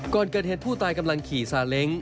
ก่อนเกิดเหตุผู้ตายกำลังขี่ซาเล้ง